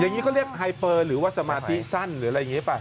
อย่างนี้เขาเรียกไฮเปอร์หรือว่าสมาธิสั้นหรืออะไรอย่างนี้ป่ะ